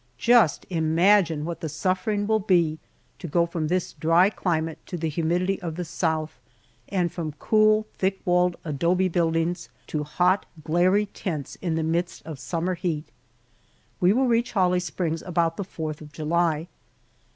Just imagine what the suffering will be, to go from this dry climate to the humidity of the South, and from cool, thick walled adobe buildings to hot, glary tents in the midst of summer heat! We will reach Holly Springs about the Fourth of July.